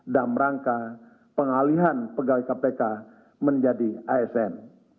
dan merangka pengalihan pegawai kpk menjadi asn